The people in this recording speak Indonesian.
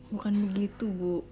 bukan begitu bu